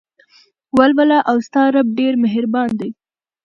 ولوله او ستا رب ډېر مهربان دى.